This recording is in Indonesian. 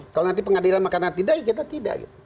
kalau nanti pengadilan makar tidak kita tidak